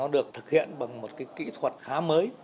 được thực hiện bằng một kỹ thuật khá mới